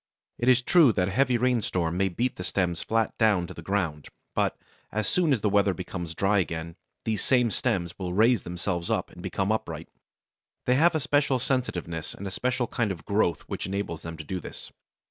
It is true that a heavy rainstorm may beat the stems flat down to the ground, but, as soon as the weather becomes dry again these same stems will raise themselves up and become upright; they have a special sensitiveness and a special kind of growth which enables them to do this.